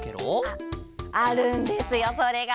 あっあるんですよそれが。